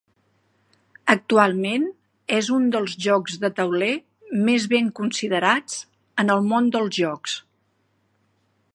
Actualment és un dels jocs de tauler més ben considerats en el món dels jocs.